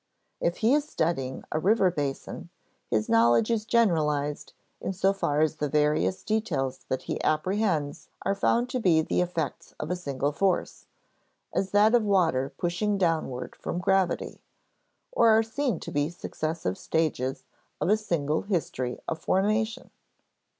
If he is studying a river basin, his knowledge is generalized in so far as the various details that he apprehends are found to be the effects of a single force, as that of water pushing downward from gravity, or are seen to be successive stages of a single history of formation.